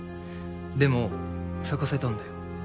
でも咲かせたんだよ。